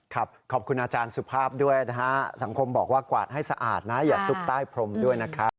ขอบคุณอาจารย์สุภาพด้วยนะฮะสังคมบอกว่ากวาดให้สะอาดนะอย่าซุกใต้พรมด้วยนะครับ